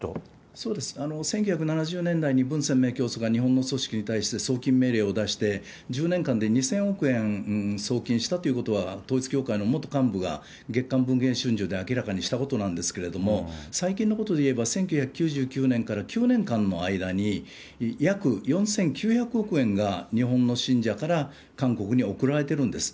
１９７０年代に文鮮明教祖が日本の組織に対して送金命令を出して、１０年間で２０００億円送金したということは、統一教会の元幹部が、月刊文藝春秋で明らかにしたことなんですけれども、最近のことで言えば１９９９年から９年間の間に約４９００億円が、日本の信者から韓国に送られてるんです。